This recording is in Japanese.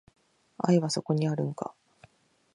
愛はそこにあるんか